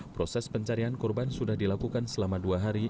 proses pencarian korban sudah dilakukan selama dua hari